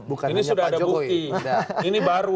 bukti ini sudah ada bukti ini baru